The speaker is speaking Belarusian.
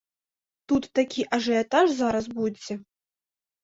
Тут такі ажыятаж зараз будзе!